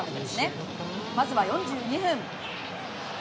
まず４２分。